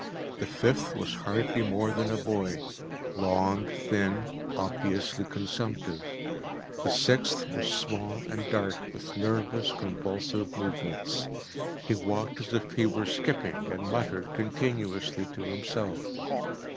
The fifth was hardly more than a boy, long, thin, obviously consumptive. The sixth was small and dark, with nervous, convulsive movements. He walked as if he were skipping, and muttered continuously to himself.